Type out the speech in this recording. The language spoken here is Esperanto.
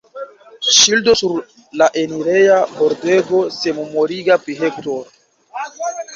Ŝildo sur la enireja pordego memorigas pri Hector.